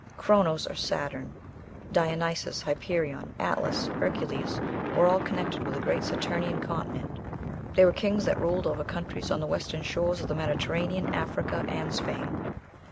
Chronos, or Saturn, Dionysos, Hyperion, Atlas, Hercules, were all connected with "a great Saturnian continent;" they were kings that ruled over countries on the western shores of the Mediterranean, Africa and Spain.